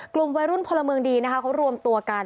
กลุ่มวัยรุ่นพลเมืองดีนะคะเขารวมตัวกัน